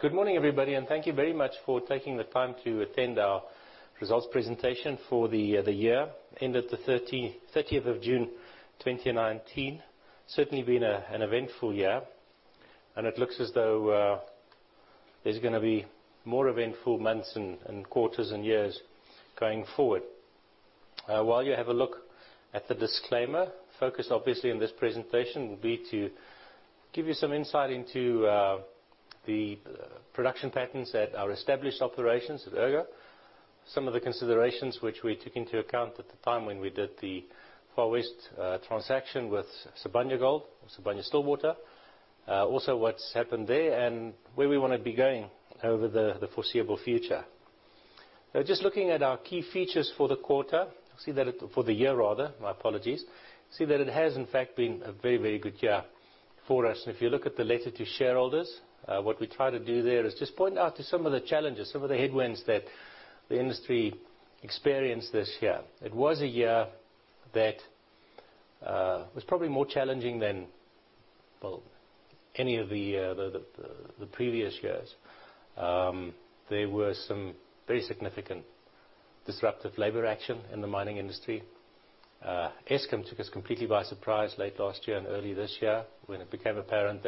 Good morning, everybody, and thank you very much for taking the time to attend our results presentation for the year ended the 30th of June 2019. Certainly been an eventful year, and it looks as though there's going to be more eventful months and quarters and years going forward. While you have a look at the disclaimer, focus obviously in this presentation will be to give you some insight into the production patterns at our established operations at Ergo. Some of the considerations which we took into account at the time when we did the Far West transaction with Sibanye-Stillwater. Also what's happened there and where we want to be going over the foreseeable future. Now, just looking at our key features for the year. You see that it has, in fact, been a very, very good year for us. If you look at the letter to shareholders, what we try to do there is just point out to some of the challenges, some of the headwinds that the industry experienced this year. It was a year that was probably more challenging than any of the previous years. There were some very significant disruptive labor action in the mining industry. Eskom took us completely by surprise late last year and early this year, when it became apparent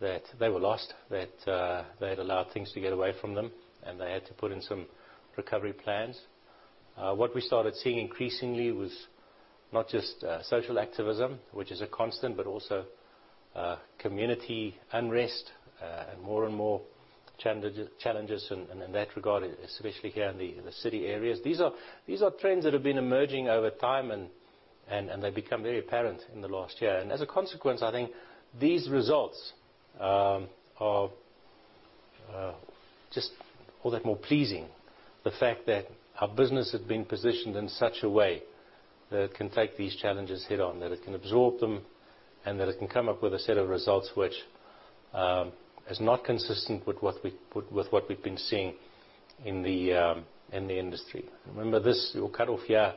that they were lost. That they had allowed things to get away from them, and they had to put in some recovery plans. What we started seeing increasingly was not just social activism, which is a constant, but also community unrest, and more and more challenges in that regard, especially here in the city areas. These are trends that have been emerging over time and they become very apparent in the last year. As a consequence, I think these results are just all that more pleasing. The fact that our business has been positioned in such a way that it can take these challenges head-on, that it can absorb them, and that it can come up with a set of results which is not consistent with what we've been seeing in the industry. Remember this, your cutoff year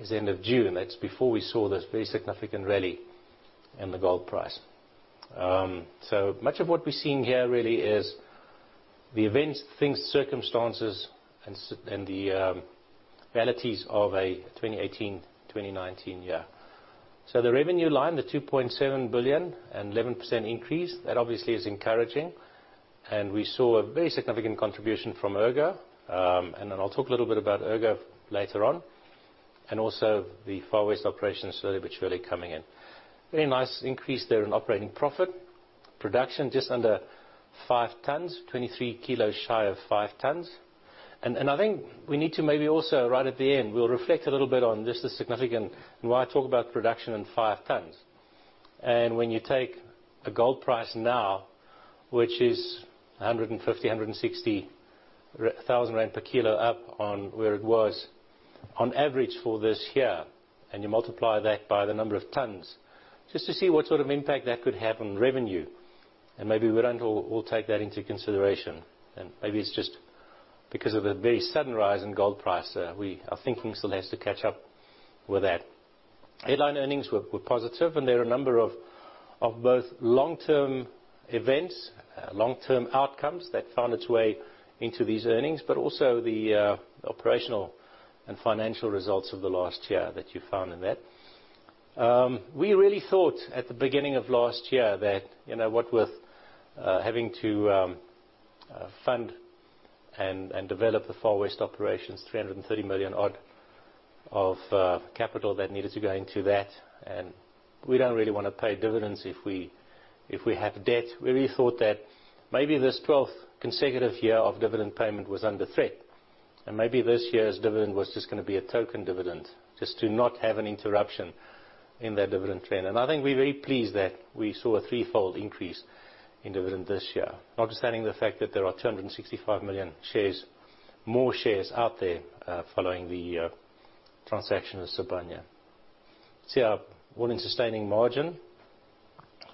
is the end of June. That's before we saw this very significant rally in the gold price. Much of what we're seeing here really is the events, things, circumstances, and the vanities of a 2018, 2019 year. The revenue line, the 2.7 billion, an 11% increase, that obviously is encouraging. We saw a very significant contribution from Ergo. Then I'll talk a little bit about Ergo later on. Also the Far West operations slowly but surely coming in. Very nice increase there in operating profit. Production just under 23 kilos shy of five tons. I think we need to maybe also, right at the end, we'll reflect a little bit on just the significant and why I talk about production and five tons. When you take a gold price now, which is 150,000-160,000 rand per kilo up on where it was on average for this year, you multiply that by the number of tons, just to see what sort of impact that could have on revenue, maybe we don't all take that into consideration. Maybe it's just because of the very sudden rise in gold price, our thinking still has to catch up with that. Headline earnings were positive. There are a number of both long-term events, long-term outcomes that found its way into these earnings, but also the operational and financial results of the last year that you found in that. We really thought at the beginning of last year that what with having to fund and develop the Far West operations, 330 million odd of capital that needed to go into that, and we don't really want to pay dividends if we have debt. We really thought that maybe this 12th consecutive year of dividend payment was under threat, and maybe this year's dividend was just going to be a token dividend, just to not have an interruption in that dividend trend. I think we're very pleased that we saw a threefold increase in dividend this year. Notwithstanding the fact that there are 265 million more shares out there following the transaction with Sibanye. See our all-in sustaining margin.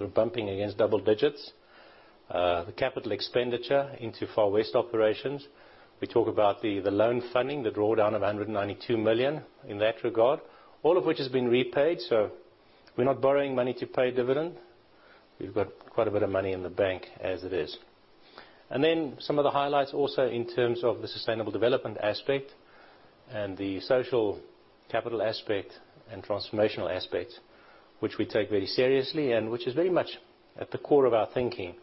We're bumping against double digits. The capital expenditure into Far West operations. We talk about the loan funding, the drawdown of 192 million in that regard. All of which has been repaid, so we're not borrowing money to pay dividend. We've got quite a bit of money in the bank as it is. Some of the highlights also in terms of the sustainable development aspect and the social capital aspect and transformational aspect, which we take very seriously and which is very much at the core of our thinking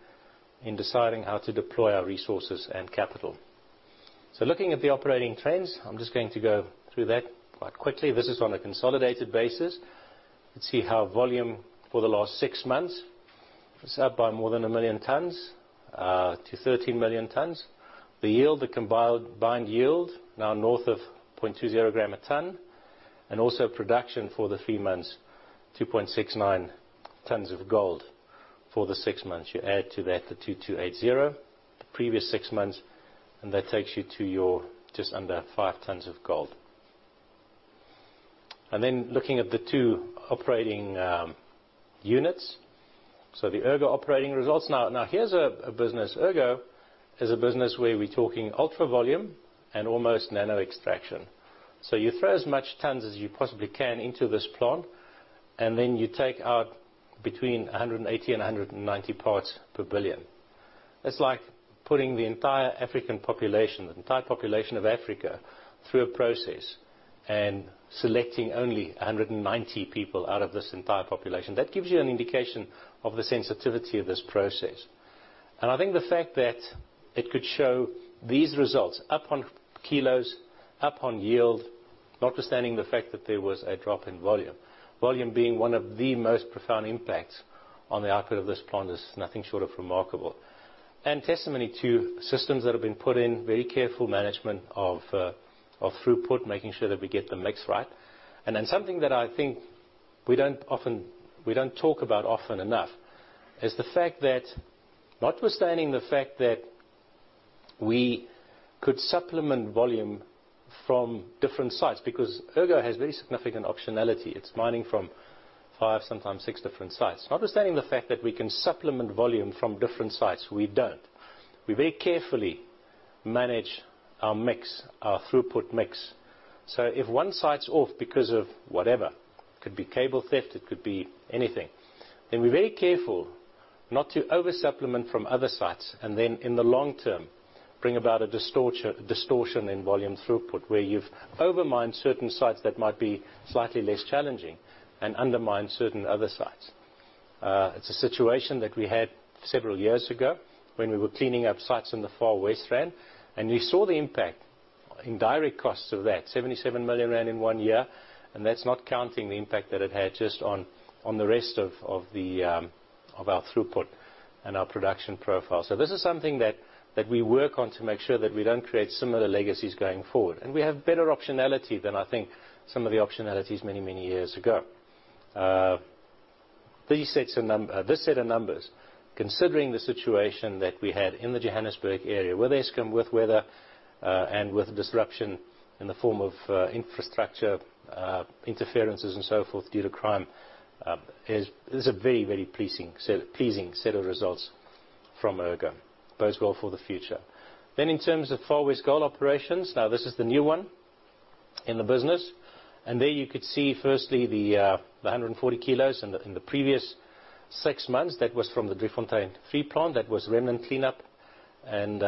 in deciding how to deploy our resources and capital. Looking at the operating trends, I'm just going to go through that quite quickly. This is on a consolidated basis. You can see how volume for the last 6 months is up by more than 1 million tons to 13 million tons. The yield, the combined yield, now north of 0.20 gram a ton. Also production for the 3 months, 2.69 tons of gold for the 6 months. You add to that the 2,280, the previous 6 months, that takes you to your just under five tons of gold. Then looking at the two operating units. The Ergo operating results. Here's a business. Ergo is a business where we're talking ultra volume and almost nano extraction. You throw as much tons as you possibly can into this plant, then you take out between 180 and 190 parts per billion. It's like putting the entire African population, the entire population of Africa, through a process and selecting only 190 people out of this entire population. That gives you an indication of the sensitivity of this process. I think the fact that it could show these results up on kilos, up on yield, notwithstanding the fact that there was a drop in volume being one of the most profound impacts on the output of this plant is nothing short of remarkable. Testimony to systems that have been put in, very careful management of throughput, making sure that we get the mix right. Something that I think we don't talk about often enough, is the fact that notwithstanding the fact that we could supplement volume from different sites because Ergo has very significant optionality. It's mining from five, sometimes six different sites. Notwithstanding the fact that we can supplement volume from different sites, we don't. We very carefully manage our throughput mix. If one site's off because of whatever, could be cable theft, it could be anything, then we're very careful not to over-supplement from other sites, and then in the long term, bring about a distortion in volume throughput where you've over-mined certain sites that might be slightly less challenging and undermined certain other sites. It's a situation that we had several years ago when we were cleaning up sites in the Far West Rand, and we saw the impact in direct costs of that, 77 million rand in one year, and that's not counting the impact that it had just on the rest of our throughput and our production profile. This is something that we work on to make sure that we don't create similar legacies going forward. We have better optionality than I think some of the optionalities many, many years ago. This set of numbers, considering the situation that we had in the Johannesburg area, with Eskom, with weather, and with disruption in the form of infrastructure interferences and so forth due to crime, this is a very, very pleasing set of results from Ergo. Bodes well for the future. In terms of Far West Gold Recoveries, now this is the new one in the business, and there you could see firstly the 140 kilos in the previous six months. That was from the Driefontein 3 plant, that was remnant cleanup and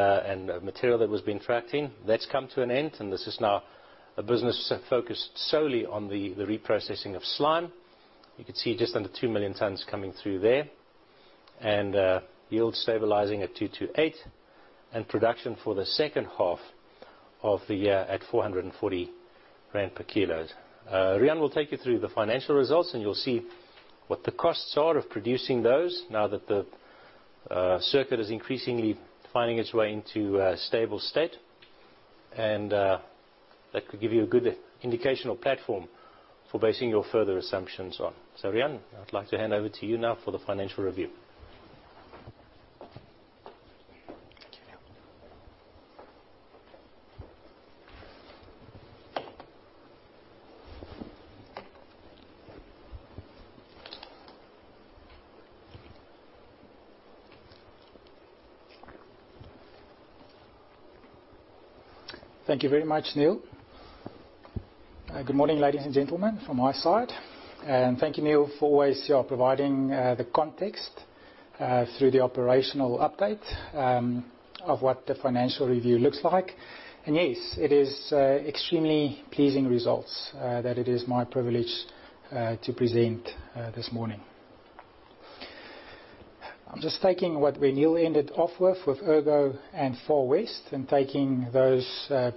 material that was being tracked in. That's come to an end, and this is now a business focused solely on the reprocessing of slime. You could see just under 2 million tons coming through there, and yield stabilizing at 228, and production for the second half of the year at 440 rand per kilos. Riaan will take you through the financial results, and you'll see what the costs are of producing those now that the circuit is increasingly finding its way into a stable state. That could give you a good indication or platform for basing your further assumptions on. Riaan, I'd like to hand over to you now for the financial review. Thank you. Thank you very much, Niël. Good morning, ladies and gentlemen, from my side. Thank you, Niël, for always providing the context through the operational update of what the financial review looks like. Yes, it is extremely pleasing results that it is my privilege to present this morning. I'm just taking what Niël ended off with Ergo and Far West, and taking those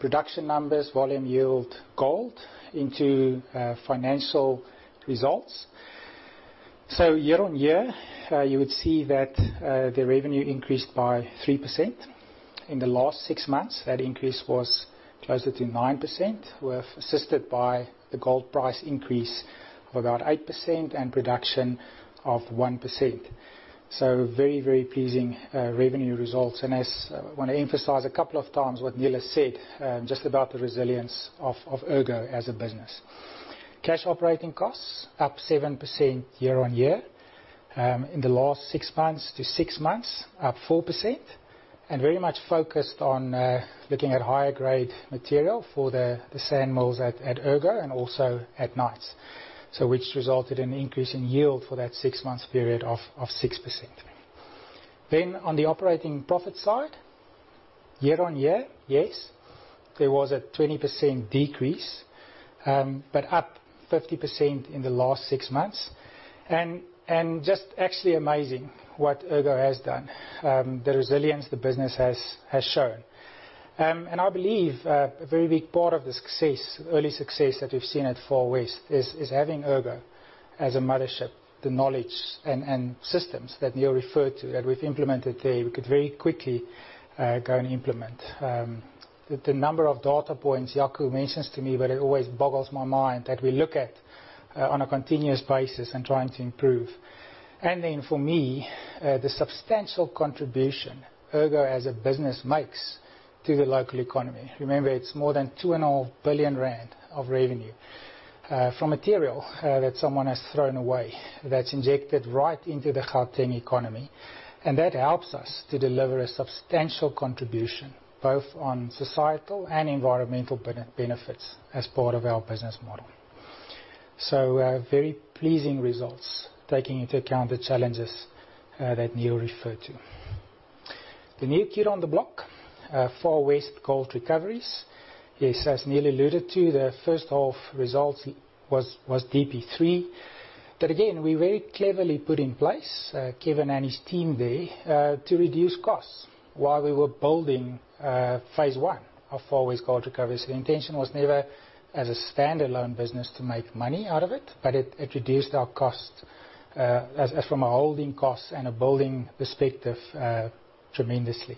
production numbers, volume yield gold into financial results. Year-over-year, you would see that the revenue increased by 3%. In the last six months, that increase was closer to 9%, assisted by the gold price increase of about 8% and production of 1%. Very pleasing revenue results. I want to emphasize a couple of times what Niël has said, just about the resilience of Ergo as a business. Cash operating costs up 7% year-over-year. In the last six months to six months, up 4%, very much focused on looking at higher grade material for the sand mills at Ergo, and also at Knights. Which resulted in an increase in yield for that six months period of 6%. On the operating profit side, year-over-year, yes, there was a 20% decrease, but up 50% in the last six months. Just actually amazing what Ergo has done, the resilience the business has shown. I believe a very big part of the early success that we've seen at Far West is having Ergo as a mothership, the knowledge and systems that Niël referred to that we've implemented there, we could very quickly go and implement. The number of data points Jaco mentions to me, but it always boggles my mind that we look at on a continuous basis and trying to improve. For me, the substantial contribution Ergo as a business makes to the local economy. Remember, it's more than two and a half billion ZAR of revenue. From material that someone has thrown away, that's injected right into the Gauteng economy. That helps us to deliver a substantial contribution, both on societal and environmental benefits as part of our business model. Very pleasing results, taking into account the challenges that Niël referred to. The new kid on the block, Far West Gold Recoveries. Yes, as Niël alluded to, the first half results was Driefontein 3. That, again, we very cleverly put in place, Kevin and his team there, to reduce costs while we were building phase one of Far West Gold Recoveries. The intention was never as a standalone business to make money out of it, but it reduced our cost, from a holding cost and a building perspective, tremendously.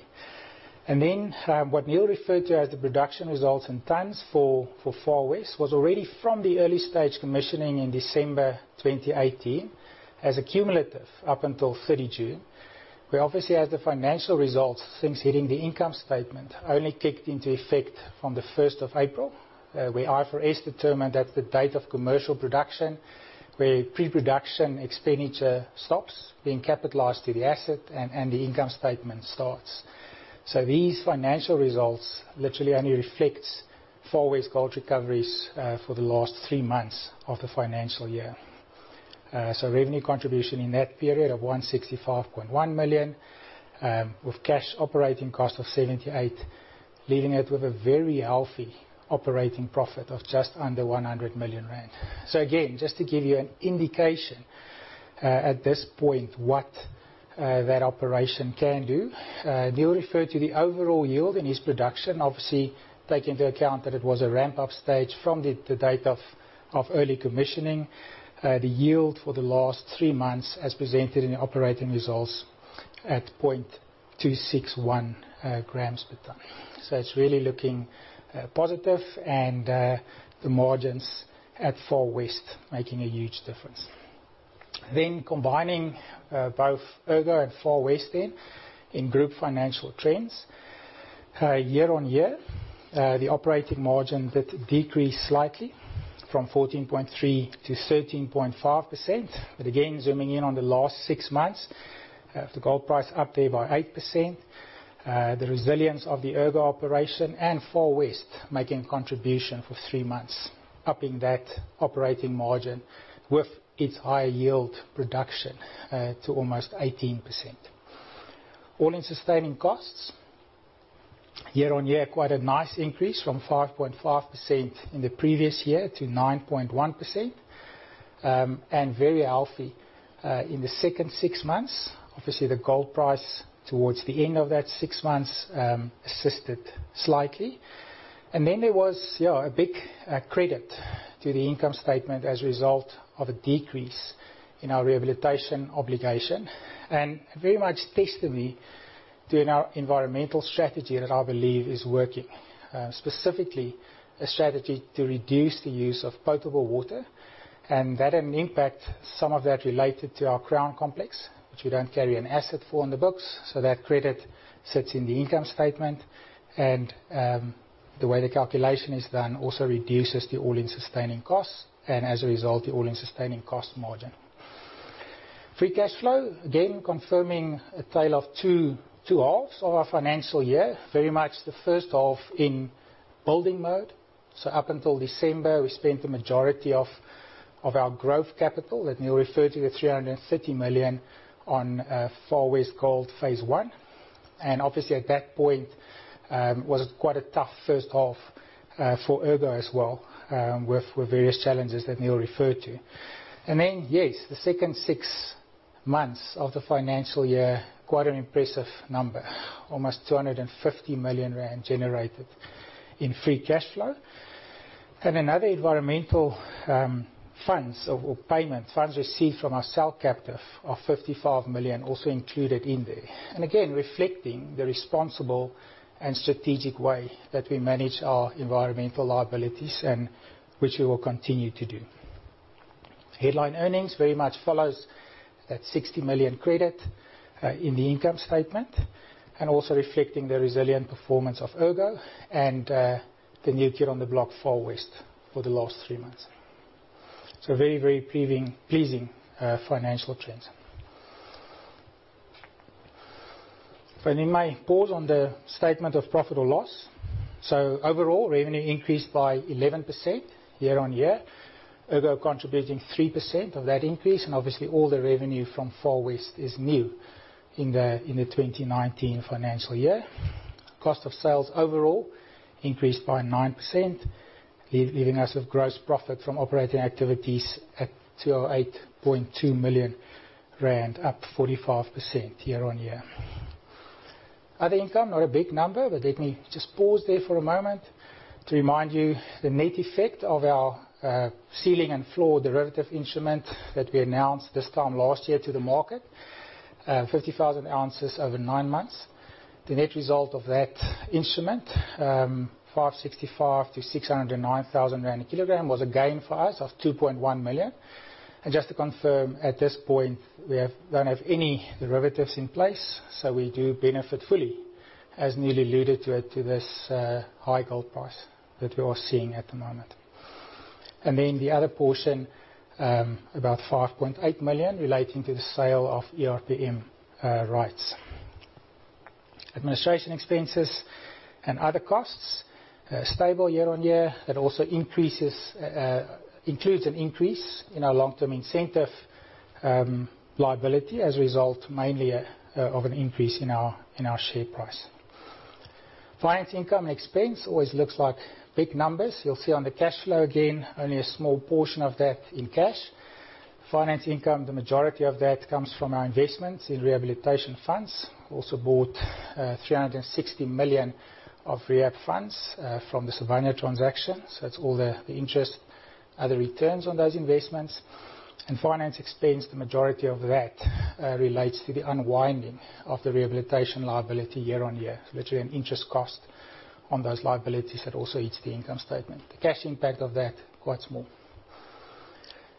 Then what Niël referred to as the production results in tons for Far West was already from the early stage commissioning in December 2018 as a cumulative up until 30 June. We obviously had the financial results, things hitting the income statement only kicked into effect from the 1st of April. Where IFRS determined that the date of commercial production, where pre-production expenditure stops being capitalized to the asset and the income statement starts. These financial results literally only reflect Far West Gold Recoveries for the last three months of the financial year. Revenue contribution in that period of 165.1 million, with cash operating cost of 78, leaving it with a very healthy operating profit of just under 100 million rand. Niël referred to the overall yield in his production. Obviously, take into account that it was a ramp-up stage from the date of early commissioning. The yield for the last three months as presented in the operating results at 0.261 grams per tonne. It's really looking positive and the margins at Far West making a huge difference. Combining both Ergo and Far West then in group financial trends. Year-on-year, the operating margin did decrease slightly from 14.3% to 13.5%. Again, zooming in on the last six months, the gold price up there by 8%. The resilience of the Ergo operation and Far West making a contribution for three months, upping that operating margin with its high yield production to almost 18%. All-in sustaining costs year-over-year, quite a nice increase from 5.5% in the previous year to 9.1%. Very healthy in the second six months. Obviously, the gold price towards the end of that six months assisted slightly. There was a big credit to the income statement as a result of a decrease in our rehabilitation obligation. Very much testimony to our environmental strategy that I believe is working. Specifically, a strategy to reduce the use of potable water. That had an impact, some of that related to our Crown complex, which we don't carry an asset for on the books. That credit sits in the income statement and the way the calculation is done also reduces the all-in sustaining costs and as a result, the all-in sustaining cost margin. Free cash flow, again, confirming a tale of two halves of our financial year. Very much the first half in building mode. Up until December, we spent the majority of our growth capital that Niël referred to, the 330 million on Far West Gold phase 1. Obviously at that point, was quite a tough first half for Ergo as well, with various challenges that Niël referred to. Yes, the second six months of the financial year, quite an impressive number. Almost 250 million rand generated in free cash flow. Another environmental funds or payment, funds received from our cell captive of 55 million also included in there. Again, reflecting the responsible and strategic way that we manage our environmental liabilities and which we will continue to do. Headline earnings very much follows that 60 million credit in the income statement, and also reflecting the resilient performance of Ergo and the new kid on the block, Far West, for the last three months. Very pleasing financial trends. If I may pause on the statement of profit or loss. Overall, revenue increased by 11% year-on-year. Ergo contributing 3% of that increase, and obviously all the revenue from Far West is new in the 2019 financial year. Cost of sales overall increased by 9%, leaving us with gross profit from operating activities at 208.2 million rand, up 45% year-on-year. Other income, not a big number, but let me just pause there for a moment to remind you the net effect of our ceiling and floor derivative instrument that we announced this time last year to the market, 50,000 ounces over nine months. The net result of that instrument, 565,000-609,000 rand a kilogram was again for us of 2.1 million. Just to confirm, at this point, we don't have any derivatives in place, so we do benefit fully, as Niël alluded to it, to this high gold price that we are seeing at the moment. The other portion, about 5.8 million relating to the sale of ERPM rights. Administration expenses and other costs, stable year-on-year. That also includes an increase in our long-term incentive liability as a result mainly of an increase in our share price. Finance income and expense always looks like big numbers. You'll see on the cash flow again, only a small portion of that in cash. Finance income, the majority of that comes from our investments in rehabilitation funds. Also bought 360 million of rehab funds from the Sibanye transaction. It's all the interest, other returns on those investments. Finance expense, the majority of that relates to the unwinding of the rehabilitation obligation year-on-year. Literally an interest cost on those liabilities that also hits the income statement. The cash impact of that, quite small.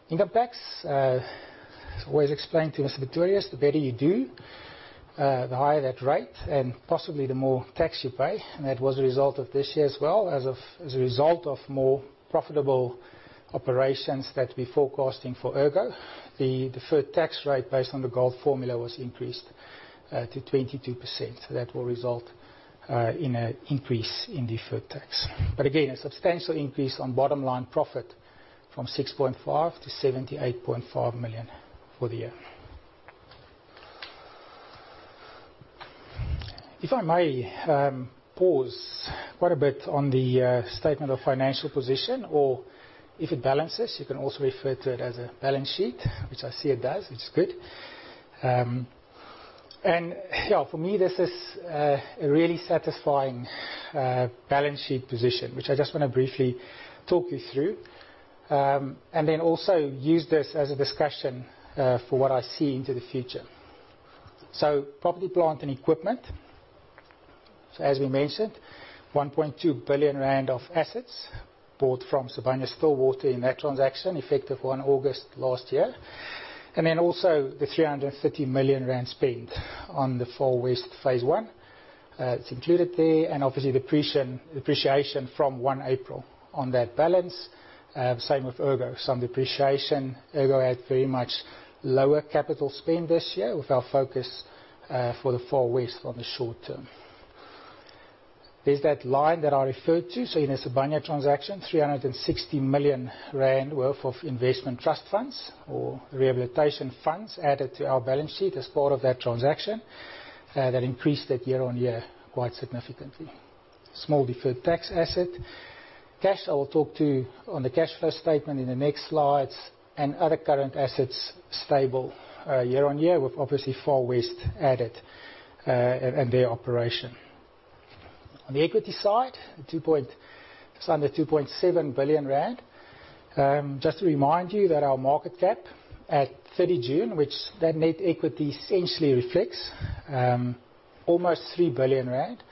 Income tax, as always explained to Mr. Pretorius, the better you do, the higher that rate and possibly the more tax you pay. That was a result of this year as well as a result of more profitable operations that we're forecasting for Ergo. The deferred tax rate based on the gold formula was increased to 22%, so that will result in an increase in deferred tax. Again, a substantial increase on bottom line profit from 6.5 million to 78.5 million for the year. If I may pause quite a bit on the statement of financial position or if it balances, you can also refer to it as a balance sheet, which I see it does, which is good. Yeah, for me, this is a really satisfying balance sheet position, which I just wanna briefly talk you through, and then also use this as a discussion for what I see into the future. Property, plant, and equipment. As we mentioned, 1.2 billion rand of assets bought from Sibanye-Stillwater in that transaction effective one August last year. Also the 330 million rand spent on the Far West phase 1. It's included there and obviously depreciation from 1 April on that balance. Same with Ergo. Some depreciation. Ergo had very much lower capital spend this year with our focus for the Far West on the short term. There's that line that I referred to. In a Sibanye transaction, 360 million rand worth of investment trust funds or rehabilitation funds added to our balance sheet as part of that transaction. That increased that year-over-year quite significantly. Small deferred tax asset. Cash, I will talk to on the cash flow statement in the next slides and other current assets stable year-over-year with obviously Far West added and their operation. On the equity side, just under 2.7 billion rand. Just to remind you that our market cap at 30 June, which that net equity essentially reflects almost 3 billion rand.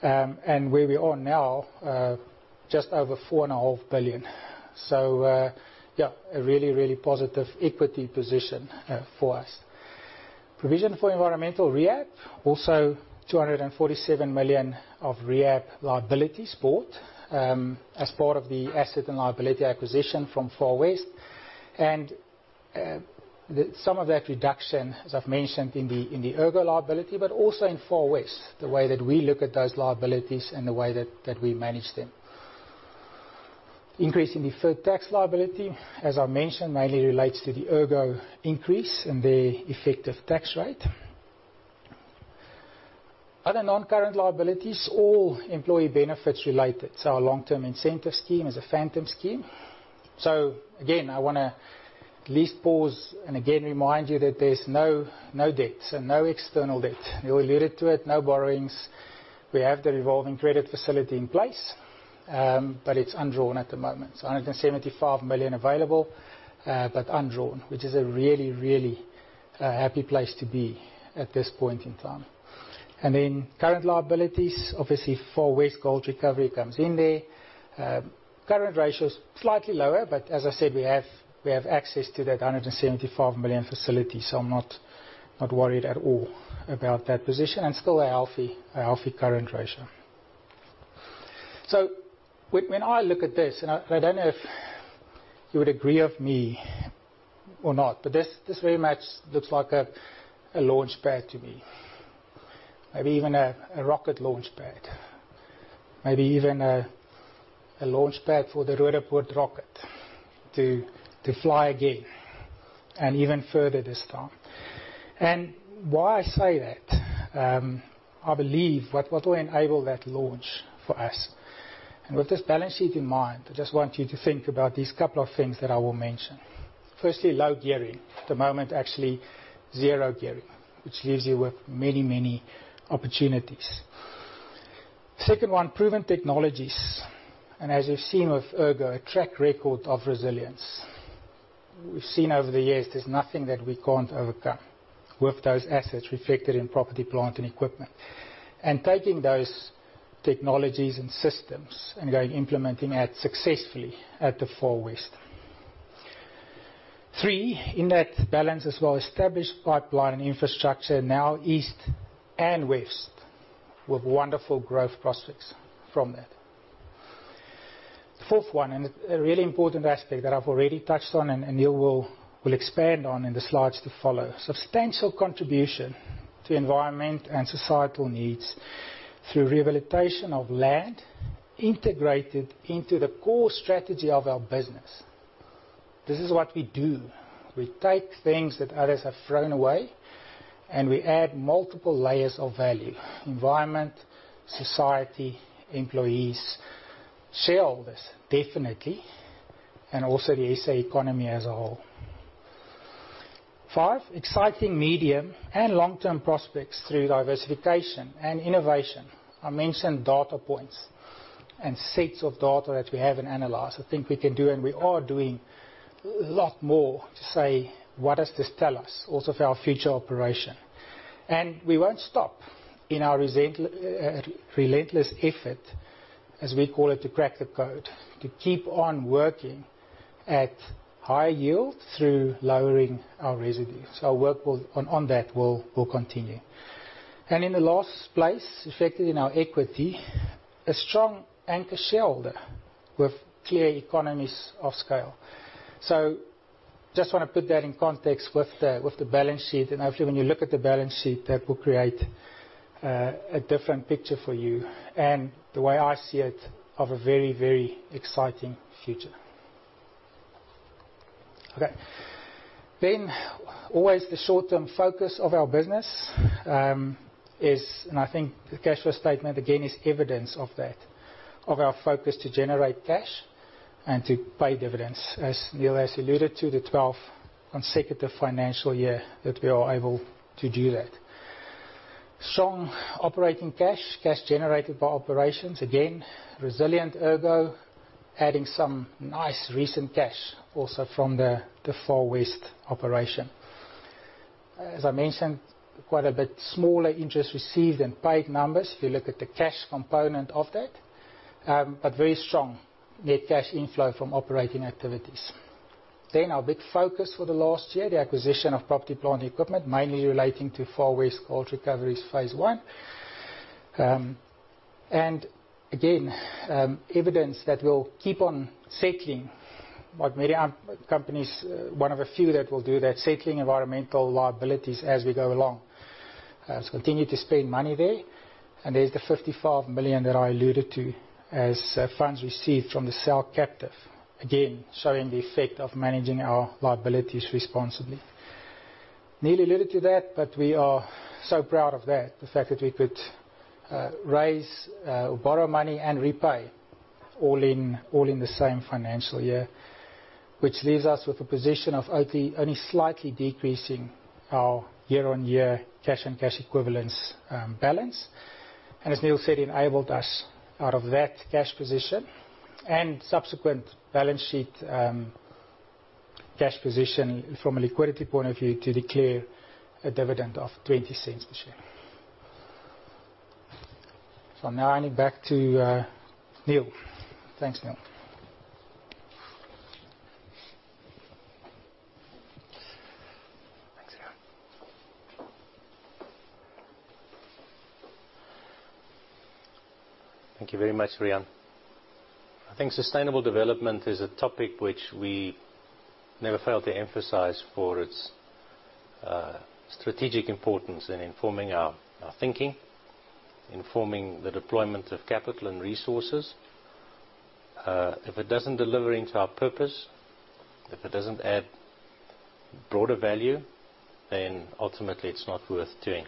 Where we are now, just over four and a half billion. A really positive equity position for us. Provision for environmental rehab, also 247 million of rehab liabilities bought as part of the asset and liability acquisition from Far West. Some of that reduction, as I've mentioned in the Ergo liability, but also in Far West, the way that we look at those liabilities and the way that we manage them. Increase in deferred tax liability, as I mentioned, mainly relates to the Ergo increase and their effective tax rate. Other non-current liabilities, all employee benefits related. Our long-term incentive scheme is a phantom scheme. Again, I wanna at least pause and again remind you that there's no debt. No external debt. Niël alluded to it, no borrowings. We have the revolving credit facility in place, but it's undrawn at the moment. 175 million available, but undrawn, which is a really, really happy place to be at this point in time. Current liabilities, obviously Far West Gold Recoveries comes in there. Current ratio is slightly lower, but as I said, we have access to that 175 million facility. I'm not worried at all about that position and still a healthy current ratio. When I look at this, and I don't know if you would agree of me or not, but this very much looks like a launchpad to me. Maybe even a rocket launchpad. Maybe even a launchpad for the Roodepoort rocket to fly again and even further this time. Why I say that, I believe what will enable that launch for us. With this balance sheet in mind, I just want you to think about these couple of things that I will mention. Firstly, low gearing. At the moment, actually zero gearing, which leaves you with many, many opportunities. Second one, proven technologies. As you've seen with Ergo, a track record of resilience. We've seen over the years there's nothing that we can't overcome with those assets reflected in property, plant, and equipment. Taking those technologies and systems, and going implementing that successfully at the Far West. Three, in that balance as well, established pipeline and infrastructure now East and West, with wonderful growth prospects from that. Fourth one, a really important aspect that I've already touched on and Niël will expand on in the slides to follow. Substantial contribution to environment and societal needs through rehabilitation of land integrated into the core strategy of our business. This is what we do. We take things that others have thrown away, we add multiple layers of value, environment, society, employees, shareholders, definitely, and also the SA economy as a whole. Five, exciting medium and long-term prospects through diversification and innovation. I mentioned data points and sets of data that we have and analyze. I think we can do and we are doing a lot more to say, what does this tell us also for our future operation? We won't stop in our relentless effort, as we call it, to crack the code, to keep on working at high yield through lowering our residues. Our work on that will continue. In the last place, reflected in our equity, a strong anchor shareholder with clear economies of scale. Just wanna put that in context with the balance sheet. Hopefully, when you look at the balance sheet, that will create a different picture for you. The way I see it, of a very, very exciting future. Okay. Always the short-term focus of our business is, I think the cash flow statement again, is evidence of that, of our focus to generate cash and to pay dividends. As Niël has alluded to, the 12th consecutive financial year that we are able to do that. Strong operating cash generated by operations, again, resilient Ergo, adding some nice recent cash also from the Far West operation. As I mentioned, quite a bit smaller interest received and paid numbers, if you look at the cash component of that. Very strong net cash inflow from operating activities. Our big focus for the last year, the acquisition of property, plant, and equipment, mainly relating to Far West Gold Recoveries phase one. Again, evidence that we'll keep on settling like many companies, one of a few that will do that, settling environmental liabilities as we go along. Let's continue to spend money there. There's the 55 million that I alluded to as funds received from the cell captive, again, showing the effect of managing our liabilities responsibly. Niël alluded to that, we are so proud of that, the fact that we could raise or borrow money and repay all in the same financial year. Leaves us with a position of only slightly decreasing our year-on-year cash and cash equivalence balance. As Niël said, enabled us out of that cash position and subsequent balance sheet cash position from a liquidity point of view to declare a dividend of 0.20 this year. Now I hand it back to Niël. Thanks, Niël. Thanks, Riaan. Thank you very much, Rian. I think sustainable development is a topic which we never fail to emphasize for its strategic importance in informing our thinking, informing the deployment of capital and resources. If it doesn't deliver into our purpose, if it doesn't add broader value, then ultimately it's not worth doing.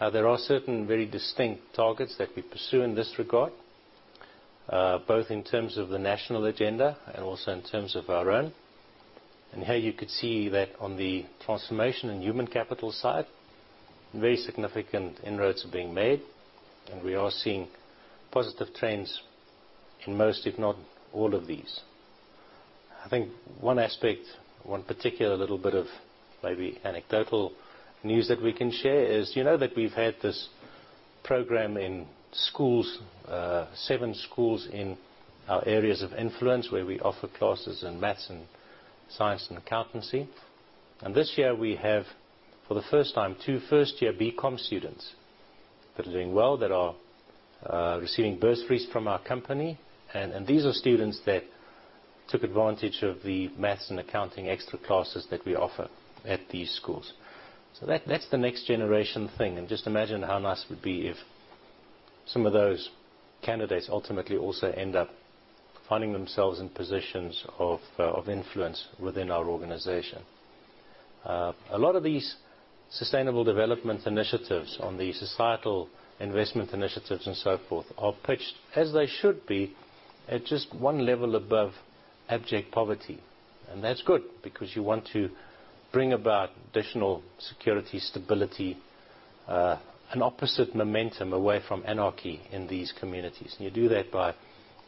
There are certain very distinct targets that we pursue in this regard, both in terms of the national agenda and also in terms of our own. Here you could see that on the transformation and human capital side, very significant inroads are being made, and we are seeing positive trends in most, if not all, of these. I think one aspect, one particular little bit of maybe anecdotal news that we can share is, you know that we've had this program in schools, seven schools in our areas of influence, where we offer classes in math and science and accounting. This year we have, for the first time, two first-year BCom students that are doing well, that are receiving bursaries from our company. These are students that took advantage of the math and accounting extra classes that we offer at these schools. That's the next generation thing. Just imagine how nice it would be if some of those candidates ultimately also end up finding themselves in positions of influence within our organization. A lot of these sustainable development initiatives on the societal investment initiatives and so forth are pitched as they should be at just 1 level above abject poverty. That's good because you want to bring about additional security, stability, an opposite momentum away from anarchy in these communities. You do that by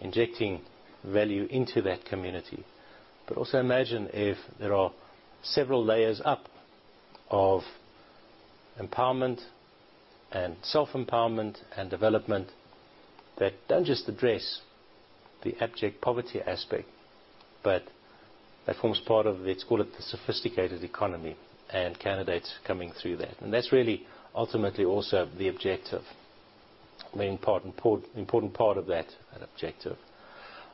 injecting value into that community. Also imagine if there are several layers of empowerment and self-empowerment and development that don't just address the abject poverty aspect, but that forms part of, let's call it, the sophisticated economy and candidates coming through that. That's really ultimately also the objective, main important part of that objective.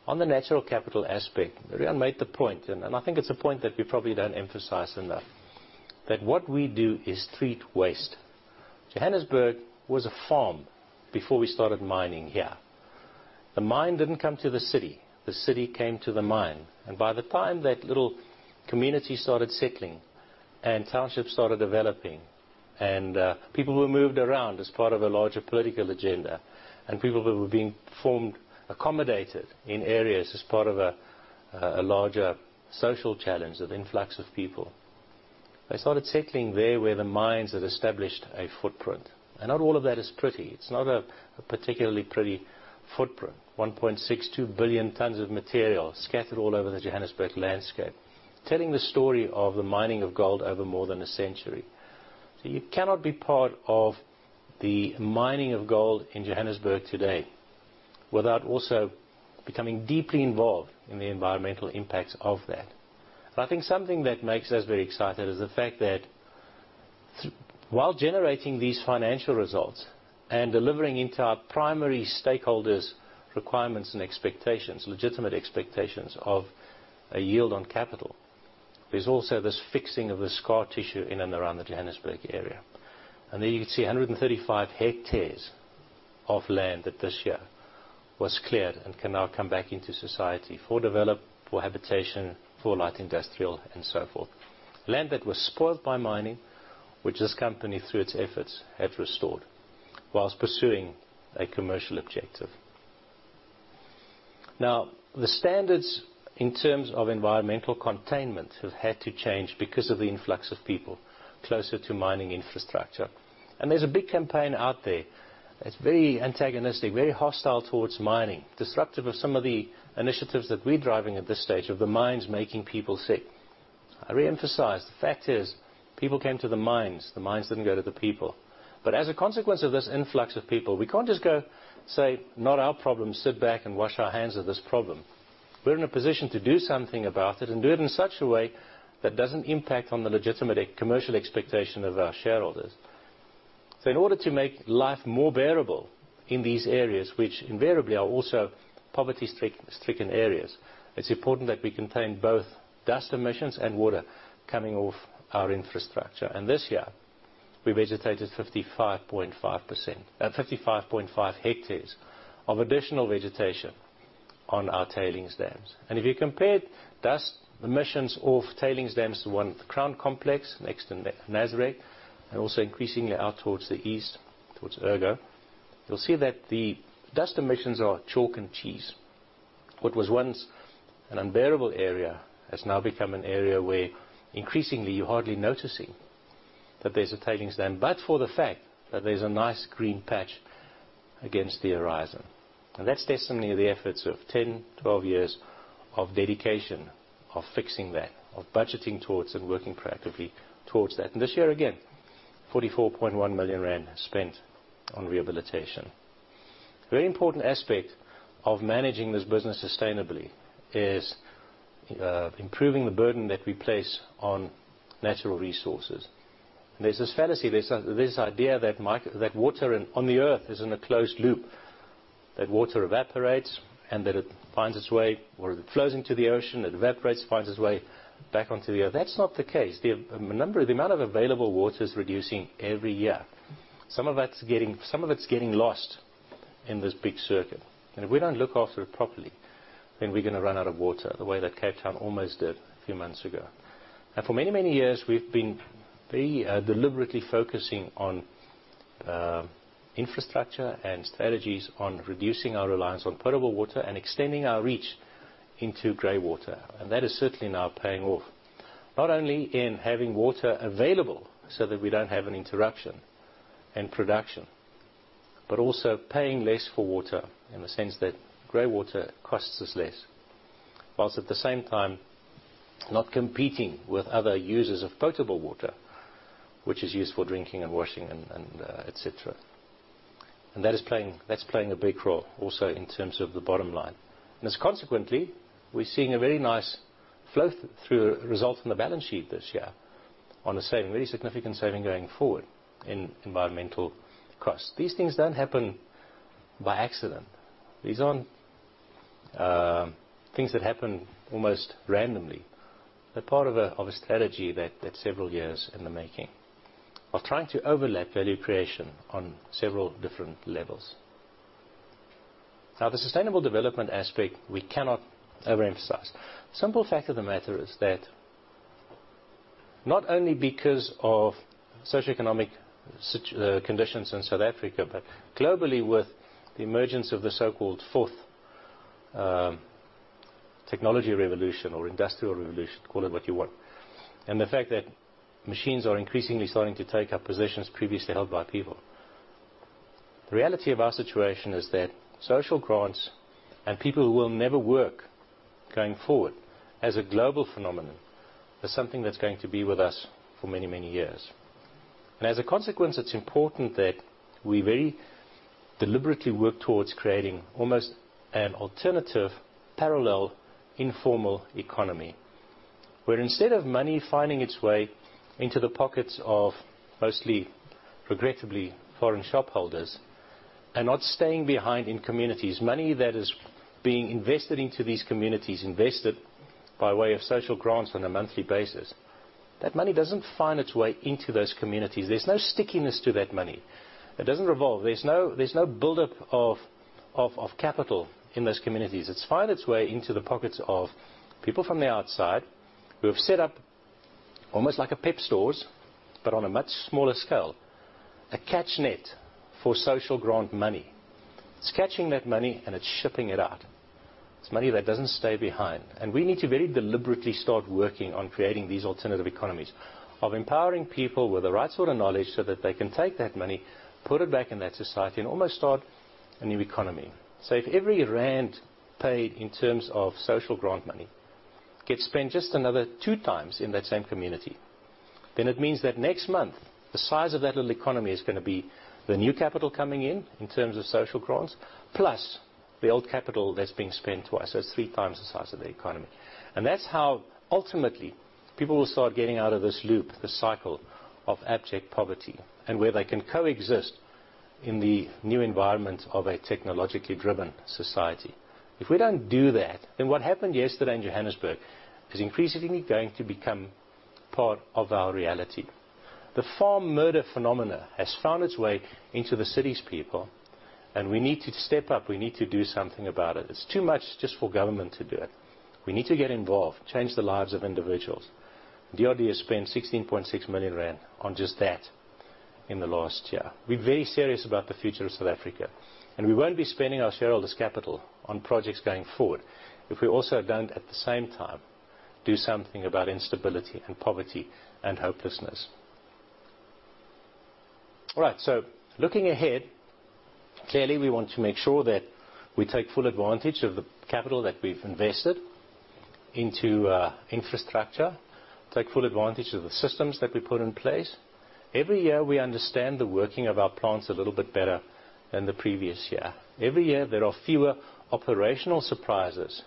On the natural capital aspect, Riaan made the point, and I think it's a point that we probably don't emphasize enough, that what we do is treat waste. Johannesburg was a farm before we started mining here. The mine didn't come to the city, the city came to the mine, and by the time that little community started settling and townships started developing and people were moved around as part of a larger political agenda, and people who were being formally accommodated in areas as part of a larger social challenge of influx of people. They started settling there where the mines had established a footprint. Not all of that is pretty. It's not a particularly pretty footprint, 1.62 billion tons of material scattered all over the Johannesburg landscape, telling the story of the mining of gold over more than a century. You cannot be part of the mining of gold in Johannesburg today without also becoming deeply involved in the environmental impacts of that. I think something that makes us very excited is the fact that while generating these financial results and delivering into our primary stakeholders' requirements and expectations, legitimate expectations of a yield on capital, there's also this fixing of the scar tissue in and around the Johannesburg area. There you can see 135 hectares of land that this year was cleared and can now come back into society for develop, for habitation, for light industrial, and so forth. Land that was spoiled by mining, which this company, through its efforts, have restored whilst pursuing a commercial objective. The standards in terms of environmental containment have had to change because of the influx of people closer to mining infrastructure. There's a big campaign out there that's very antagonistic, very hostile towards mining, disruptive of some of the initiatives that we're driving at this stage of the mines making people sick. I reemphasize, the fact is people came to the mines, the mines didn't go to the people. As a consequence of this influx of people, we can't just go say, "Not our problem," sit back and wash our hands of this problem. We're in a position to do something about it and do it in such a way that doesn't impact on the legitimate commercial expectation of our shareholders. In order to make life more bearable in these areas, which invariably are also poverty-stricken areas, it's important that we contain both dust emissions and water coming off our infrastructure. This year, we vegetated 55.5 hectares of additional vegetation on our tailings dams. If you compared dust emissions of tailings dams to one at the Crown complex next to Nasrec and also increasingly out towards the east towards Ergo, you'll see that the dust emissions are chalk and cheese. What was once an unbearable area has now become an area where increasingly you're hardly noticing that there's a tailings dam, but for the fact that there's a nice green patch against the horizon. That's testimony of the efforts of 10, 12 years of dedication, of fixing that, of budgeting towards and working proactively towards that. This year again, 44.1 million rand spent on rehabilitation. Very important aspect of managing this business sustainably is improving the burden that we place on natural resources. There's this fallacy, there's this idea that water on the Earth is in a closed loop, that water evaporates and that it finds its way or it flows into the ocean, it evaporates, finds its way back onto the Earth. That's not the case. The amount of available water is reducing every year. Some of it is getting lost in this big circuit. If we don't look after it properly, then we're going to run out of water the way that Cape Town almost did a few months ago. For many, many years, we've been very deliberately focusing on infrastructure and strategies on reducing our reliance on potable water and extending our reach into gray water. That is certainly now paying off, not only in having water available so that we don't have an interruption in production, but also paying less for water in the sense that gray water costs us less, whilst at the same time not competing with other users of potable water, which is used for drinking and washing and et cetera. That's playing a big role also in terms of the bottom line. As consequently, we're seeing a very nice flow through result in the balance sheet this year on a saving, very significant saving going forward in environmental costs. These things don't happen by accident. These aren't things that happen almost randomly. They're part of a strategy that's several years in the making of trying to overlap value creation on several different levels. The sustainable development aspect we cannot overemphasize. Simple fact of the matter is that not only because of socioeconomic conditions in South Africa, but globally with the emergence of the so-called fourth technology revolution or industrial revolution, call it what you want. The fact that machines are increasingly starting to take up positions previously held by people. The reality of our situation is that social grants and people who will never work going forward as a global phenomenon is something that's going to be with us for many, many years. As a consequence, it's important that we very deliberately work towards creating almost an alternative parallel informal economy, where instead of money finding its way into the pockets of mostly, regrettably, foreign shop holders and not staying behind in communities. Money that is being invested into these communities, invested by way of social grants on a monthly basis, that money doesn't find its way into those communities. There's no stickiness to that money. It doesn't revolve. There's no buildup of capital in those communities. It finds its way into the pockets of people from the outside who have set up almost like a PEP stores, but on a much smaller scale, a catch net for social grant money. It's catching that money, and it's shipping it out. It's money that doesn't stay behind, and we need to very deliberately start working on creating these alternative economies of empowering people with the right sort of knowledge so that they can take that money, put it back in that society, and almost start a new economy. If every ZAR paid in terms of social grant money gets spent just another two times in that same community, then it means that next month the size of that little economy is going to be the new capital coming in terms of social grants, plus the old capital that's being spent twice. That's three times the size of the economy. That's how ultimately people will start getting out of this loop, this cycle of abject poverty and where they can coexist in the new environment of a technologically driven society. If we don't do that, then what happened yesterday in Johannesburg is increasingly going to become part of our reality. The farm murder phenomena has found its way into the cities' people. We need to step up. We need to do something about it. It's too much just for government to do it. We need to get involved, change the lives of individuals. DRD spent 16.6 million rand on just that in the last year. We're very serious about the future of South Africa, and we won't be spending our shareholders' capital on projects going forward if we also don't, at the same time, do something about instability and poverty and hopelessness. All right. Looking ahead, clearly, we want to make sure that we take full advantage of the capital that we've invested into infrastructure, take full advantage of the systems that we put in place. Every year, we understand the working of our plants a little bit better than the previous year. Every year, there are fewer operational surprises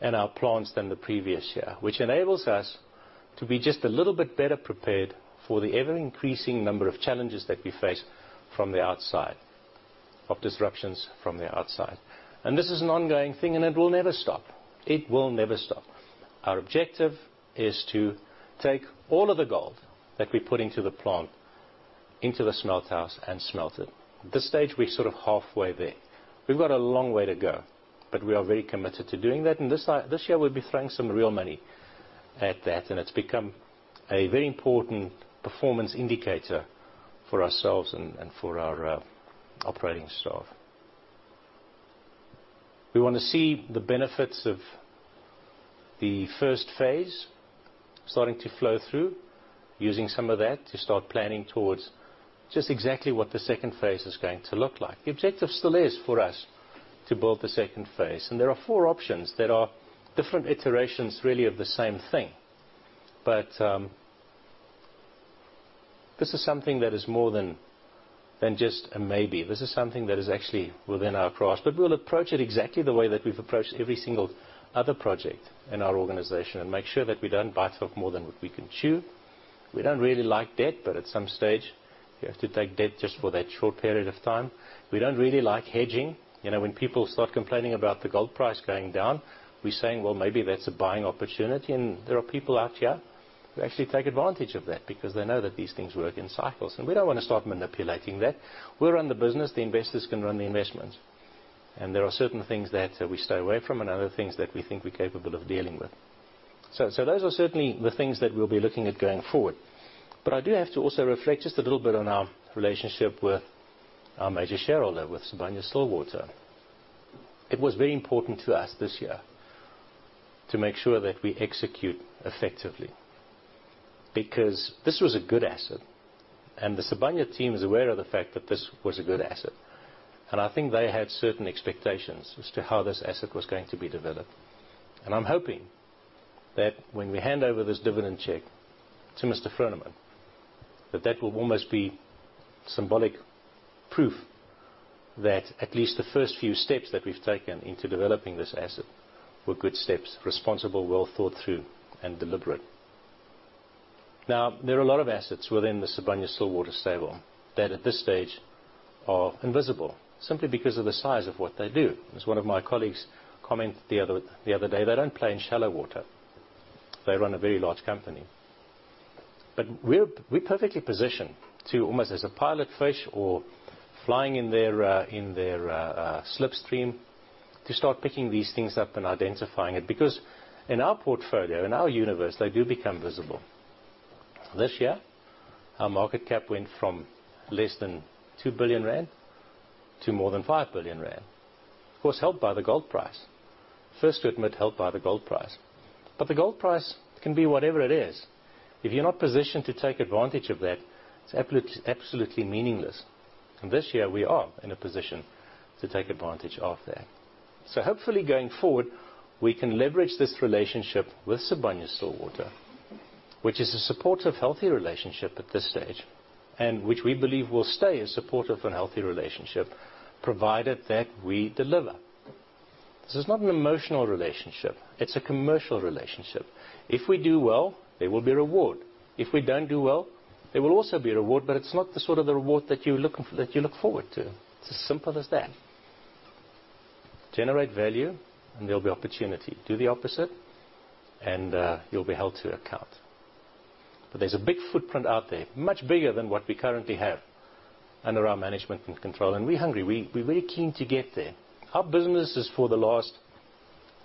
in our plants than the previous year, which enables us to be just a little bit better prepared for the ever-increasing number of challenges that we face from the outside, of disruptions from the outside. This is an ongoing thing, and it will never stop. It will never stop. Our objective is to take all of the gold that we put into the plant, into the smelt house and smelt it. At this stage, we're sort of halfway there. We've got a long way to go, but we are very committed to doing that, and this year we'll be throwing some real money at that, and it's become a very important performance indicator for ourselves and for our operating staff. We want to see the benefits of the first phase starting to flow through, using some of that to start planning towards just exactly what the second phase is going to look like. The objective still is for us to build the second phase, and there are four options that are different iterations, really of the same thing. This is something that is more than just a maybe. This is something that is actually within our grasp, but we'll approach it exactly the way that we've approached every single other project in our organization and make sure that we don't bite off more than what we can chew. We don't really like debt, but at some stage, we have to take debt just for that short period of time. We don't really like hedging. When people start complaining about the gold price going down, we're saying, "Well, maybe that's a buying opportunity." There are people out here who actually take advantage of that because they know that these things work in cycles, and we don't want to start manipulating that. We run the business, the investors can run the investment, and there are certain things that we stay away from and other things that we think we're capable of dealing with. Those are certainly the things that we'll be looking at going forward. I do have to also reflect just a little bit on our relationship with our major shareholder, with Sibanye-Stillwater. It was very important to us this year to make sure that we execute effectively because this was a good asset, and the Sibanye team is aware of the fact that this was a good asset. I think they had certain expectations as to how this asset was going to be developed. I'm hoping that when we hand over this dividend check to Mr. Froneman, that will almost be symbolic proof that at least the first few steps that we've taken into developing this asset were good steps, responsible, well thought through, and deliberate. There are a lot of assets within the Sibanye-Stillwater stable that at this stage are invisible simply because of the size of what they do. As one of my colleagues commented the other day, they don't play in shallow water. They run a very large company. We're perfectly positioned to almost as a pilot fish or flying in their slipstream to start picking these things up and identifying it, because in our portfolio, in our universe, they do become visible. This year, our market cap went from less than 2 billion rand to more than 5 billion rand. Of course, helped by the gold price. First to admit, helped by the gold price. The gold price can be whatever it is. If you're not positioned to take advantage of that, it's absolutely meaningless. This year, we are in a position to take advantage of that. Hopefully going forward, we can leverage this relationship with Sibanye-Stillwater, which is a supportive, healthy relationship at this stage, and which we believe will stay a supportive and healthy relationship, provided that we deliver. This is not an emotional relationship, it's a commercial relationship. If we do well, there will be reward. If we don't do well, there will also be a reward, but it's not the sort of the reward that you look forward to. It's as simple as that. Generate value, and there'll be opportunity. Do the opposite, and you'll be held to account. There's a big footprint out there, much bigger than what we currently have under our management and control. We're hungry. We're very keen to get there. Our business is, for the last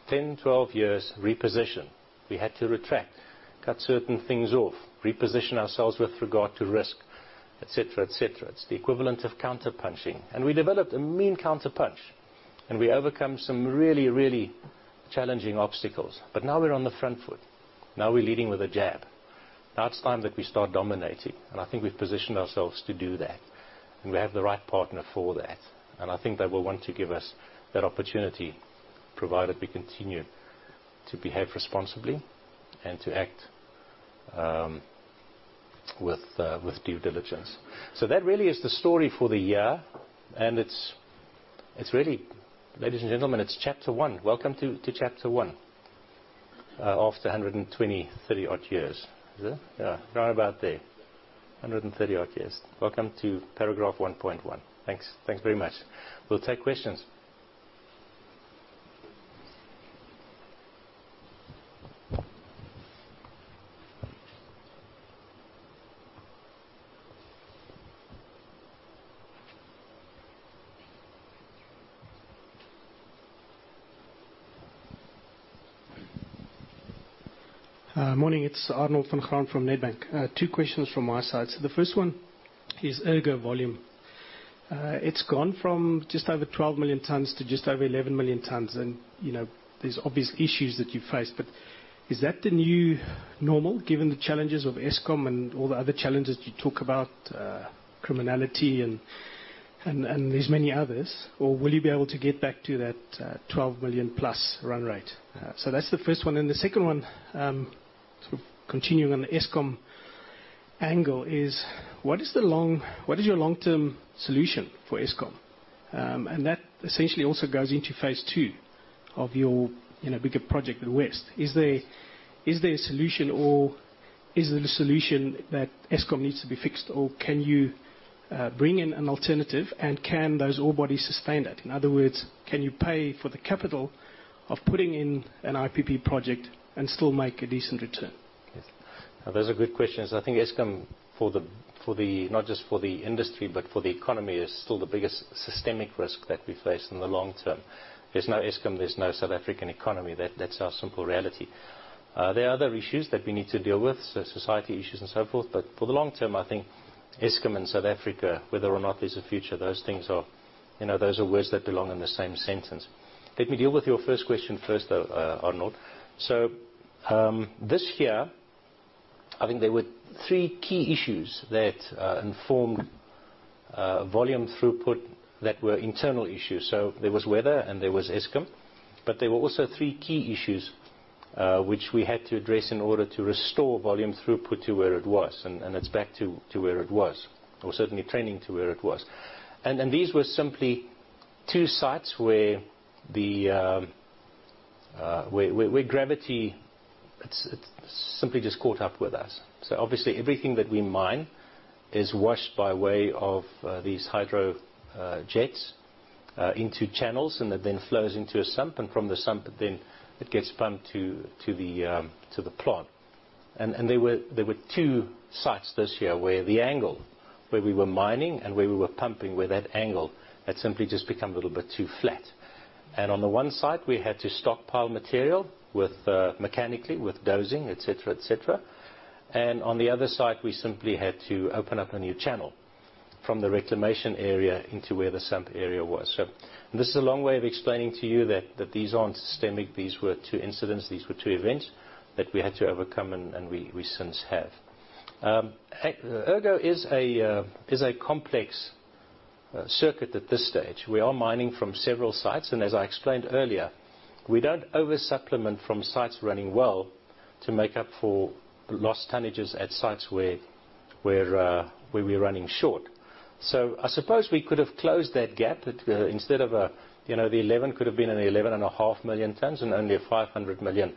10, 12 years, reposition. We had to retract, cut certain things off, reposition ourselves with regard to risk, et cetera. It's the equivalent of counter-punching. We developed a mean counterpunch, and we overcome some really challenging obstacles. Now we're on the front foot. Now we're leading with a jab. Now it's time that we start dominating, and I think we've positioned ourselves to do that, and we have the right partner for that. I think they will want to give us that opportunity, provided we continue to behave responsibly and to act with due diligence. That really is the story for the year, and ladies and gentlemen, it's chapter one. Welcome to chapter one of the 120, 30-odd years. Is it? Yeah. Round about there, 130-odd years. Welcome to paragraph 1.1. Thanks very much. We'll take questions. Hi. Morning. It's Arnold van Graan from Nedbank. Two questions from my side. The first one is Ergo volume. It's gone from just over 12 million tons to just over 11 million tons, and there's obvious issues that you face. Is that the new normal, given the challenges of Eskom and all the other challenges you talk about, criminality, and there's many others? Will you be able to get back to that 12 million-plus run rate? That's the first one. The second one, continuing on the Eskom angle, is what is your long-term solution for Eskom? That essentially also goes into phase 2 of your bigger project at West. Is there a solution, or is the solution that Eskom needs to be fixed, or can you bring in an alternative, and can those ore bodies sustain that? In other words, can you pay for the capital of putting in an IPP project and still make a decent return? Yes. Those are good questions. I think Eskom, not just for the industry, but for the economy, is still the biggest systemic risk that we face in the long term. There's no Eskom, there's no South African economy. That's our simple reality. There are other issues that we need to deal with, society issues and so forth. For the long term, I think Eskom and South Africa, whether or not there's a future, those are words that belong in the same sentence. Let me deal with your first question first, though, Arnold. This year, I think there were three key issues that informed volume throughput that were internal issues. There was weather and there was Eskom, but there were also three key issues which we had to address in order to restore volume throughput to where it was, and it's back to where it was. Certainly trending to where it was. These were simply two sites where gravity simply just caught up with us. Obviously, everything that we mine is washed by way of these hydro jets into channels, that then flows into a sump, from the sump then it gets pumped to the plant. There were two sites this year where the angle where we were mining and where we were pumping, where that angle had simply just become a little bit too flat. On the one site, we had to stockpile material mechanically, with dozing, et cetera. On the other site, we simply had to open up a new channel from the reclamation area into where the sump area was. This is a long way of explaining to you that these aren't systemic. These were two incidents. These were two events that we had to overcome and we since have. Ergo is a complex circuit at this stage. We are mining from several sites, and as I explained earlier, we don't over-supplement from sites running well to make up for lost tonnages at sites where we're running short. I suppose we could have closed that gap, that instead of the 11 could have been an 11.5 million tons and only a 500 million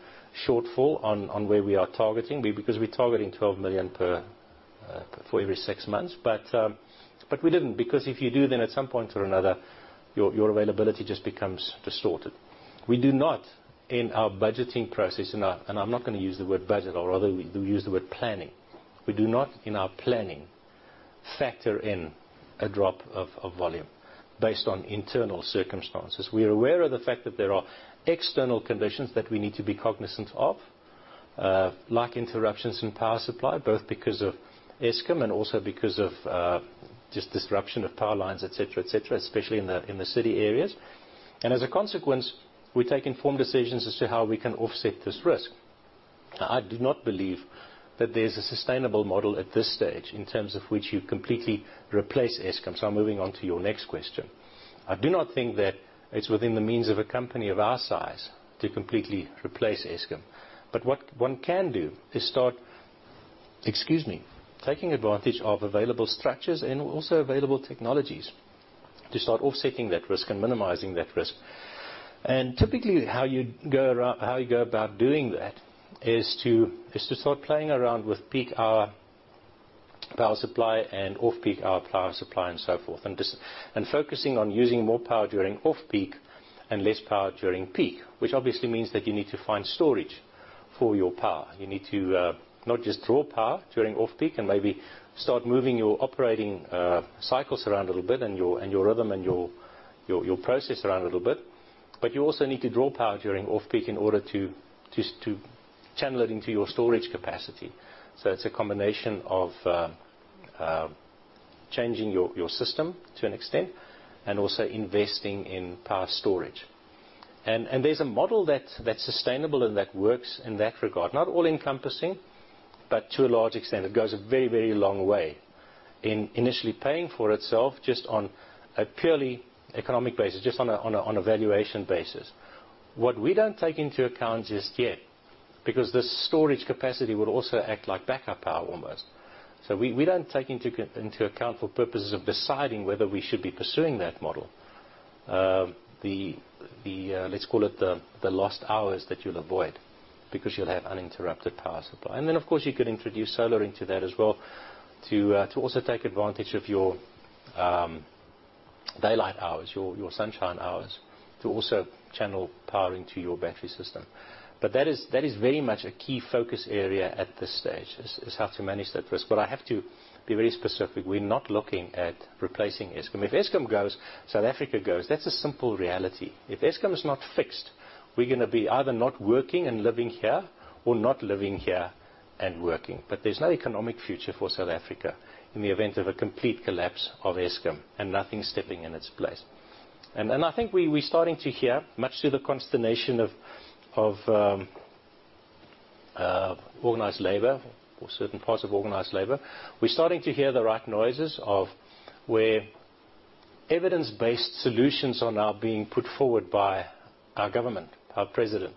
shortfall on where we are targeting. Because we're targeting 12 million for every six months. We didn't, because if you do, then at some point or another, your availability just becomes distorted. We do not in our budgeting process, and I'm not going to use the word budget or rather we use the word planning. We do not in our planning factor in a drop of volume based on internal circumstances. We are aware of the fact that there are external conditions that we need to be cognizant of, like interruptions in power supply, both because of Eskom and also because of just disruption of power lines, et cetera, et cetera, especially in the city areas. As a consequence, we take informed decisions as to how we can offset this risk. I do not believe that there's a sustainable model at this stage in terms of which you completely replace Eskom. I'm moving on to your next question. I do not think that it's within the means of a company of our size to completely replace Eskom. What one can do is start, excuse me, taking advantage of available structures and also available technologies to start offsetting that risk and minimizing that risk. Typically, how you go about doing that is to start playing around with peak hour power supply and off-peak hour power supply, and so forth. Focusing on using more power during off-peak and less power during peak. Which obviously means that you need to find storage for your power. You need to not just draw power during off-peak and maybe start moving your operating cycles around a little bit and your rhythm and your process around a little bit, but you also need to draw power during off-peak in order to channel it into your storage capacity. It's a combination of changing your system to an extent and also investing in power storage. There's a model that's sustainable and that works in that regard. Not all-encompassing, but to a large extent. It goes a very, very long way in initially paying for itself just on a purely economic basis, just on a valuation basis. What we don't take into account just yet, because the storage capacity would also act like backup power almost. We don't take into account for purposes of deciding whether we should be pursuing that model. Let's call it the lost hours that you'll avoid because you'll have uninterrupted power supply. Of course, you could introduce solar into that as well to also take advantage of your daylight hours, your sunshine hours, to also channel power into your battery system. That is very much a key focus area at this stage, is how to manage that risk. I have to be very specific. We're not looking at replacing Eskom. If Eskom goes, South Africa goes. That's a simple reality. If Eskom is not fixed, we're going to be either not working and living here or not living here and working. There's no economic future for South Africa in the event of a complete collapse of Eskom and nothing stepping in its place. I think we're starting to hear, much to the consternation of organized labor or certain parts of organized labor, we're starting to hear the right noises of where evidence-based solutions are now being put forward by our government, our president,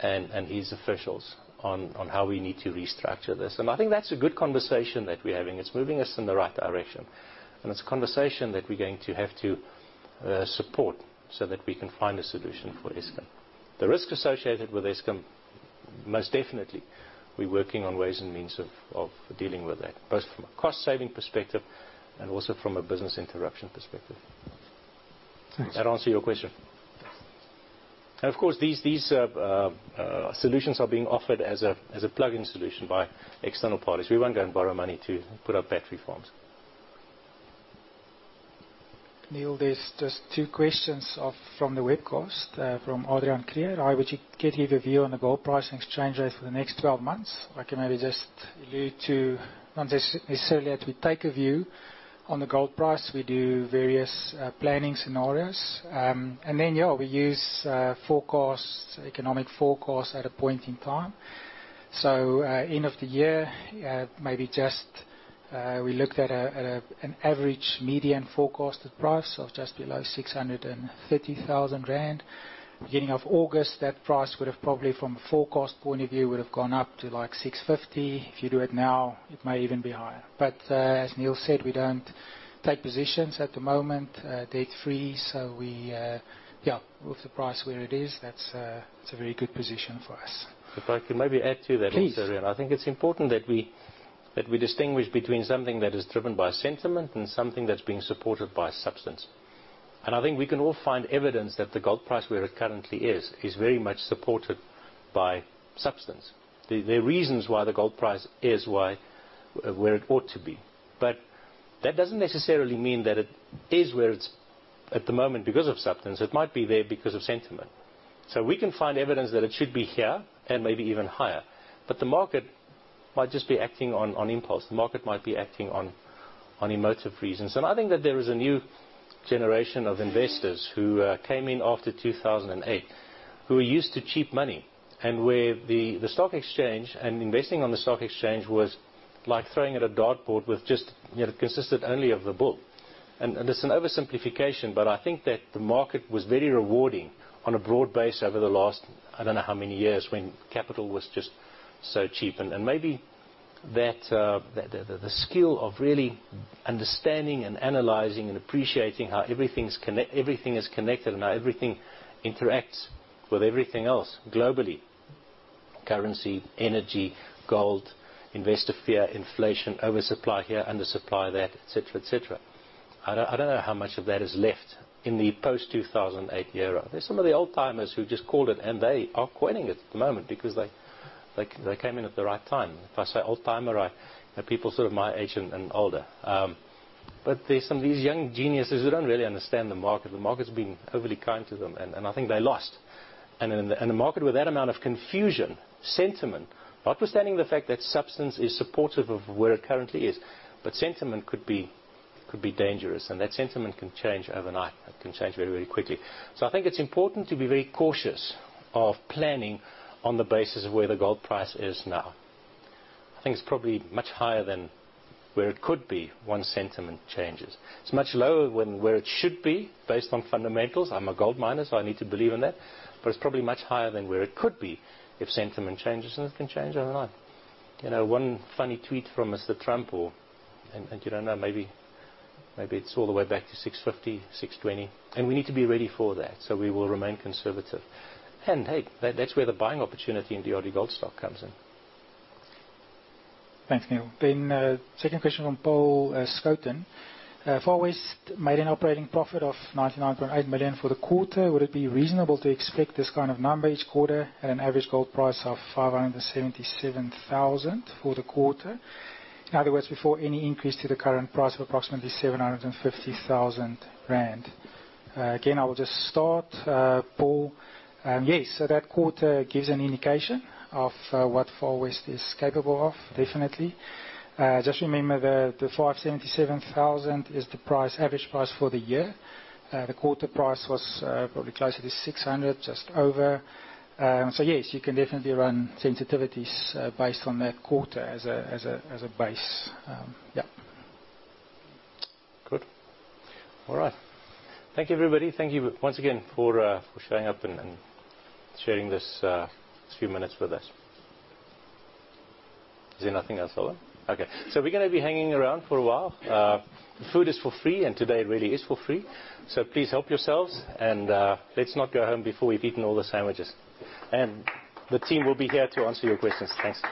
and his officials on how we need to restructure this. I think that's a good conversation that we're having. It's moving us in the right direction, and it's a conversation that we're going to have to support so that we can find a solution for Eskom. The risk associated with Eskom, most definitely, we working on ways and means of dealing with that, both from a cost-saving perspective and also from a business interruption perspective. Thanks. That answer your question? Yes. Of course, these solutions are being offered as a plugin solution by external parties. We won't go and borrow money to put up battery farms. Niël, there's just two questions from the webcast, from Adrian Krier. I would get your view on the gold price and exchange rate for the next 12 months. If I can maybe just allude to not necessarily that we take a view on the gold price. We do various planning scenarios. Yeah, we use forecasts, economic forecasts at a point in time. End of the year, maybe just we looked at an average median forecasted price of just below 630,000 rand. Beginning of August, that price would have probably, from a forecast point of view, would have gone up to like 650. If you do it now, it may even be higher. As Niël said, we don't take positions at the moment, debt-free. We, yeah, with the price where it is, that's a very good position for us. If I could maybe add to that also, Riaan. Please. I think it's important that we distinguish between something that is driven by sentiment and something that's being supported by substance. I think we can all find evidence that the gold price, where it currently is very much supported by substance. There are reasons why the gold price is where it ought to be. That doesn't necessarily mean that it is where it's at the moment because of substance. It might be there because of sentiment. We can find evidence that it should be here and maybe even higher. The market might just be acting on impulse. The market might be acting on emotive reasons. I think that there is a new generation of investors who came in after 2008 who are used to cheap money, and where the stock exchange and investing on the stock exchange was like throwing at a dartboard, it consisted only of the bull. It's an oversimplification, but I think that the market was very rewarding on a broad base over the last, I don't know how many years, when capital was just so cheap. Maybe the skill of really understanding and analyzing and appreciating how everything is connected and how everything interacts with everything else globally, currency, energy, gold, investor fear, inflation, oversupply here, under supply there, et cetera. I don't know how much of that is left in the post-2008 era. There's some of the old-timers who just called it, and they are quitting it at the moment because they came in at the right time. If I say old-timer, people sort of my age and older. There's some of these young geniuses who don't really understand the market. The market's been overly kind to them, and I think they're lost. In a market with that amount of confusion, sentiment, notwithstanding the fact that substance is supportive of where it currently is. Sentiment could be dangerous, and that sentiment can change overnight. It can change very quickly. I think it's important to be very cautious of planning on the basis of where the gold price is now. I think it's probably much higher than where it could be, once sentiment changes. It's much lower than where it should be based on fundamentals. I'm a gold miner, so I need to believe in that, but it's probably much higher than where it could be if sentiment changes, and it can change overnight. One funny tweet from Donald Trump or, and you don't know, maybe it's all the way back to 650, 620, and we need to be ready for that. We will remain conservative. Hey, that's where the buying opportunity in DRDGOLD Gold stock comes in. Thanks, Niël. Second question from Paul Scoten: "Far West made an operating profit of 99.8 million for the quarter. Would it be reasonable to expect this kind of number each quarter at an average gold price of 577,000 for the quarter? In other words, before any increase to the current price of approximately 750,000 rand." Again, I will just start, Paul. Yes, that quarter gives an indication of what Far West is capable of, definitely. Just remember the 577,000 is the average price for the year. The quarter price was probably closer to 600, just over. Yes, you can definitely run sensitivities based on that quarter as a base. Yeah. Good. All right. Thank you everybody. Thank you once again for showing up and sharing these few minutes with us. Is there nothing else, Owen? Okay. We're going to be hanging around for a while. The food is for free, and today it really is for free. Please help yourselves, and let's not go home before we've eaten all the sandwiches. The team will be here to answer your questions. Thanks.